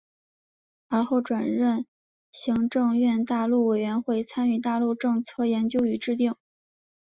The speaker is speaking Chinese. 其后转任行政院大陆委员会参与大陆政策研究与制定。